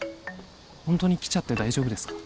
ホントに来ちゃって大丈夫ですか？